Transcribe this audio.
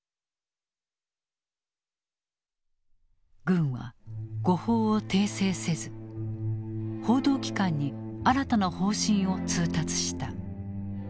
軍は誤報を訂正せず報道機関に新たな方針を通達した。